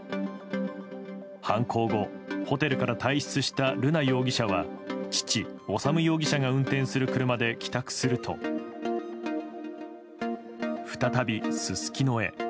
犯行後、ホテルから退室した瑠奈容疑者は父・修容疑者が運転する車で帰宅すると再び、すすきのへ。